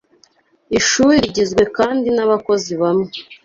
Ishuri rigizwe kandi n'abakozi bamwe